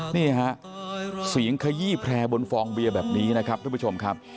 นี่ฮะเสียงขยี้แพร่บนฟองเบียร์แบบนี้นะครับทุกผู้ชมครับ